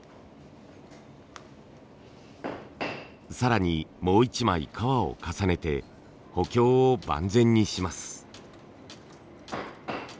更にもう一枚革を重ねて補強を万全にします。